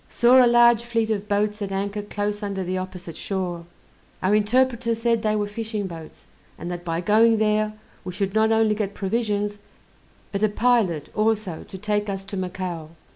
Saw a large fleet of boats at anchor close under the opposite shore. Our interpreter said they were fishing boats, and that by going there we should not only get provisions, but a pilot also to take us to Macao.